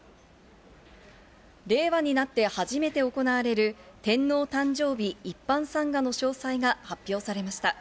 令和になって初めて行われる天皇誕生日一般参賀の詳細が発表されました。